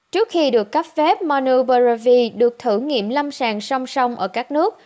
trước khi được cấp phép monoberravi được thử nghiệm lâm sàng song song ở các nước